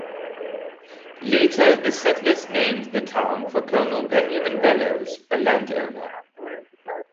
Later the settlers named the town for Colonel Benjamin Bellows, a landowner.